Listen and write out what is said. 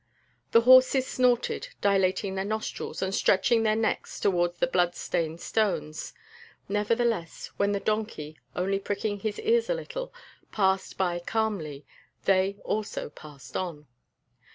The horses snorted, dilating their nostrils and stretching their necks towards the blood stained stones; nevertheless, when the donkey, only pricking his ears a little, passed by calmly, they also passed on.